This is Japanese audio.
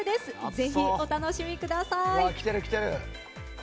ぜひお楽しみください。